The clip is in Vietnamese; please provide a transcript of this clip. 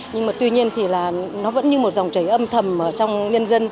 nhưng mà tuy nhiên thì là nó vẫn như một dòng chảy âm thầm trong nhân dân